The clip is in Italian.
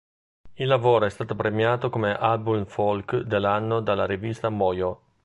Il lavoro è stata premiato come album folk dell'anno dalla rivista "Mojo".